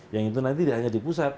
yang itu nanti tidak hanya di pusat